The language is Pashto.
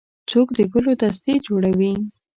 څوک د ګلو دستې جوړوي.